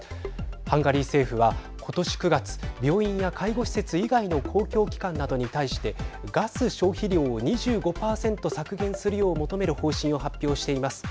ハンガリー政府は今年９月病院や介護施設以外の公共機関などに対してガス消費量を２５％削減するよう求める方針を発表しています。